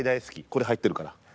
これ入ってるから。